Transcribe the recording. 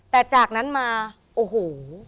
แต่จากนั้นมาโอ้โห